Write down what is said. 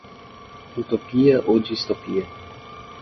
Utopia ou distopia?